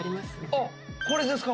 あっこれですか？